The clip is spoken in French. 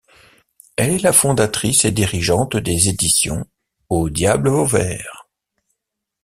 Elle est la fondatrice et dirigeante des éditions Au diable vauvert.